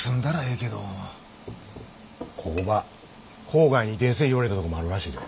工場郊外に移転せえ言われたとこもあるらしいで。